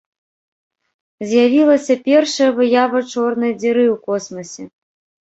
З'явілася першая выява чорнай дзіры ў космасе.